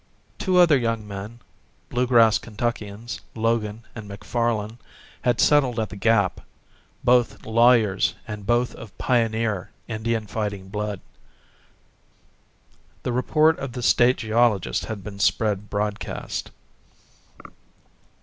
Two other young men, Bluegrass Kentuckians, Logan and Macfarlan, had settled at the gap both lawyers and both of pioneer, Indian fighting blood. The report of the State geologist had been spread broadcast.